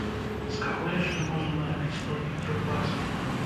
З каго яшчэ можна нарабіць столькі кілбасаў?